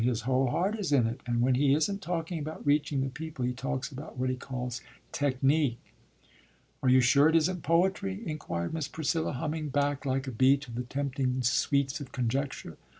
"His whole heart is in it, and when he isn't talking about reaching the people, he talks about what he calls 'technique.'" "Are you sure it isn't poetry?" inquired Miss Priscilla, humming back like a bee to the tempting sweets of conjecture.